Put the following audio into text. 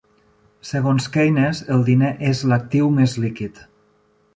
Segons Keynes, el diner és l'actiu més líquid.